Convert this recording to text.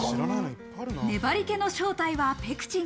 粘り気の正体はペクチン。